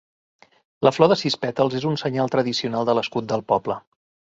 La flor de sis pètals és un senyal tradicional de l'escut del poble.